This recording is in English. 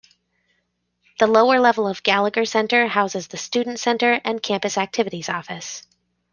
The lower level of Gallagher Center houses the Student Center and Campus Activities Office.